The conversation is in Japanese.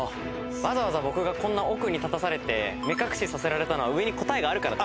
わざわざ僕がこんな奥に立たされて目隠しさせられたのは上に答えがあるからですね。